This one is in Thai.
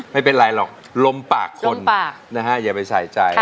ไม่เป็นไรหรอกลมปากคนนะฮะอย่าไปใส่ใจ